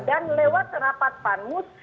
dan lewat rapat panmus